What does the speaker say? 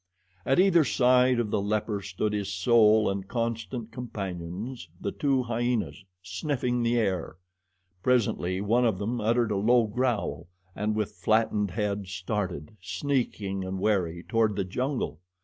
At either side of the leper stood his sole and constant companions, the two hyenas, sniffing the air. Presently one of them uttered a low growl and with flattened head started, sneaking and wary, toward the jungle.